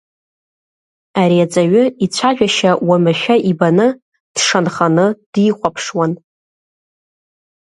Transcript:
Ари аҵаҩы ицәажәашьа уамашәа ибаны, дшанханы, дихәаԥшуан.